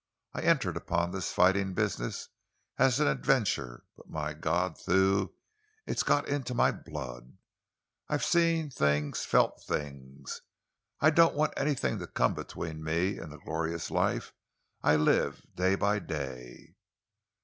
I entered upon this fighting business as an adventure, but, my God, Thew, it's got into my blood! I've seen things, felt things. I don't want anything to come between me and the glorious life I live day by day."